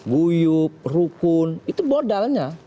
guyup rukun itu modalnya